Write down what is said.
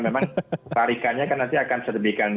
lepas dari apakah tiketnya sudah diberikan